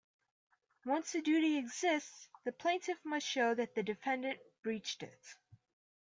Once a duty exists, the plaintiff must show that the defendant "breached" it.